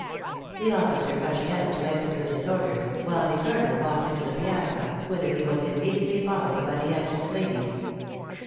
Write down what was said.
The officer rushed out to execute his orders, while the Colonel walked into the piazza, whither he was immediately followed by the anxious ladies.